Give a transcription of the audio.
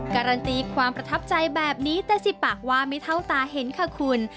การันตีความประทับใจแบบนี้แต่สิบปากว่าไม่เท่าตาเห็นค่ะคุณ